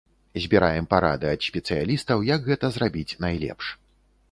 Збіраем парады ад спецыялістаў, як гэта зрабіць найлепш.